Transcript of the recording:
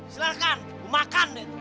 silahkan gua makan deh